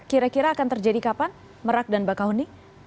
kira kira akan terjadi kapan merak dan mbak kauni